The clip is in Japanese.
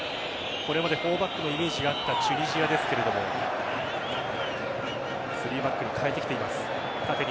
これまで４バックのイメージがあったチュニジアですが３バックに変えてきています。